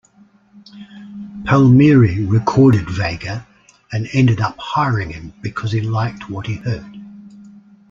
Palmieri recorded Vega and ended up hiring him because he liked what he heard.